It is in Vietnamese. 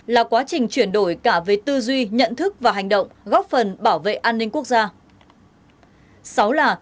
là quá trình chuyển đổi cả về tư duy nhận thức và hành động góp phần bảo vệ an ninh quốc gia